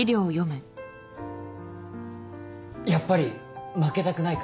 やっぱり負けたくないから？